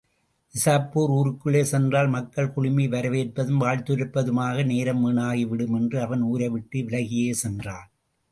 நிசாப்பூர் ஊருக்குள்ளே சென்றால் மக்கள் குழுமி வரவேற்பதும் வாழ்த்துரைப்பதுமாக நேரம் வீணாகி விடுமென்று அவன் ஊரைவிட்டு விலகியே சென்றான்.